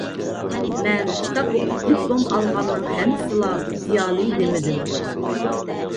مەن كىتاب ئوقۇپ دىپلوم ئالغاننىڭ ھەممىسىلا زىيالىي دېمىدىم.